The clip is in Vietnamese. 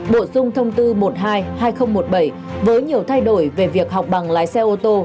bổ sung thông tư một mươi hai hai nghìn một mươi bảy với nhiều thay đổi về việc học bằng lái xe ô tô